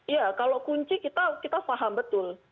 ya kalau kunci kita paham betul